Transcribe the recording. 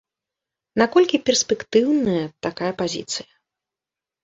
Наколькі перспектыўная такая пазіцыя?